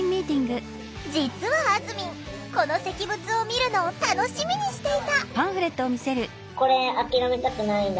実はあずみんこの石仏を見るのを楽しみにしていた！